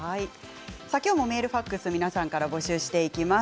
きょうもメールファックスを募集しています。